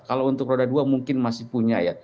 kalau untuk roda dua mungkin masih punya ya